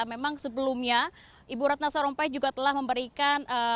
memang sebelumnya ibu ratna sarumpait juga telah memberikan